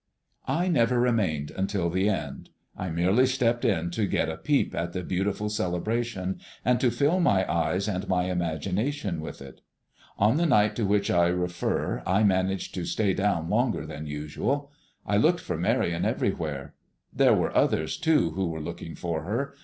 I never remained until the end. I merely stepped in to get a peep at the beautiful celebration and to fill my eyes and my imagination with it. On the night to which I refer I managed to stay down longer than usual. I looked for Marion everywhere. There were others, too, who were looking for her.